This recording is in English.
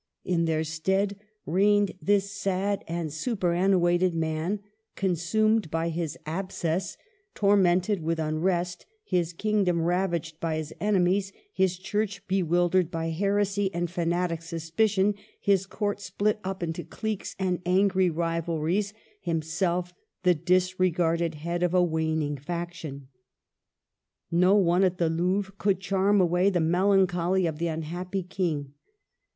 In their stead reigned this sad and superannuated man, consumed by his abscess, tormented with unrest, his kingdom ravaged by his enemies, his Church bewildered by heresy and fanatic suspi cion, his Court split up into cliques and angry rivalries, himself the disregarded head of a v/aning faction. No one at the Louvre could charm away the melancholy of the unhappy King.